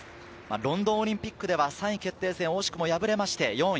ロンドンオリンピックでは３位決定戦で惜しくも破れまして４位。